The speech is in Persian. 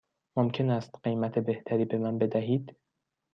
ممکن است قیمت بهتری به من بدهید؟